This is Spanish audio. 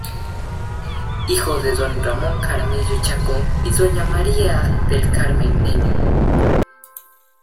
Hijo de don Ramón Jaramillo Chacón y doña María del Carmen Niño.